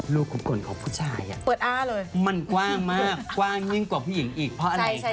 ลูกกลุ่มกล่นของผู้ชายมันกว้างมากกว้างยิ่งกว่าผู้หญิงอีกเพราะอะไรคะ